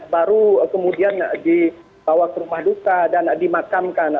baru kemudian dibawa ke rumah duka dan dimakamkan